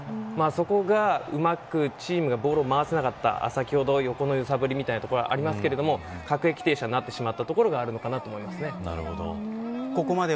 そこがうまくチームがボールを回せなかった先ほど、横の揺さぶりなどというところがありましたけれど各駅停車になってしまったところがあるのかと思います。